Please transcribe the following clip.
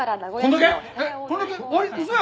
こんだけ？